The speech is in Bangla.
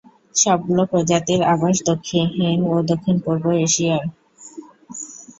সবগুলো প্রজাতির আবাস দক্ষিণ ও দক্ষিণ-পূর্ব এশিয়ায়।